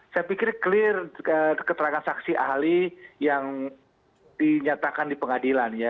saya pikir clear keterangan saksi ahli yang dinyatakan di pengadilan ya